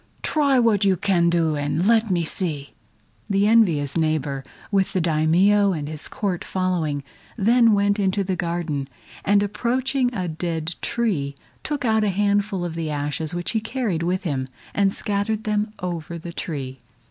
Try what you can do and let me see!" The envious neighbor, with the Daimio and his Court following, then went into the garden, and approaching a dead tree, took out a handful of the ashes which he carried with him, and scattered them over the tree.